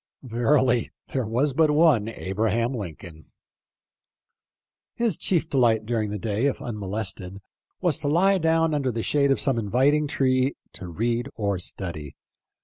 Ver ily there was but one Abraham Lincoln ! His chief delight during the day, if unmolested, was to lie down under the shade of some inviting tree to read and study.